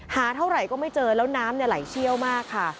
เท่าไหร่ก็ไม่เจอแล้วน้ำไหลเชี่ยวมากค่ะ